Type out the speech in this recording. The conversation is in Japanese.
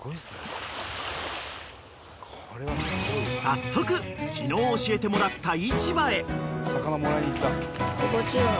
［早速昨日教えてもらった］